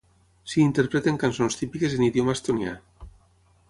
S'hi interpreten cançons típiques en idioma estonià.